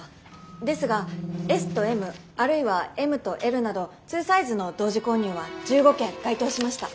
ですがＳとＭあるいはＭとＬなど２サイズの同時購入は１５件該当しました。